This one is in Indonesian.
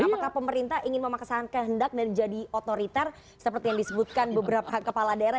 apakah pemerintah ingin memaksakan kehendak dan jadi otoriter seperti yang disebutkan beberapa kepala daerah